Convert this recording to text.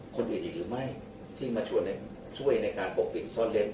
คนอื่นอีกหรือไม่ที่มาชวนช่วยในการปกปิดซ่อนเล้น